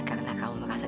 mas kamil itu